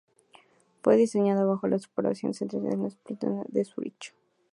Fue diseñada bajo la supervisión científica de expertos de la Universidad de Zúrich.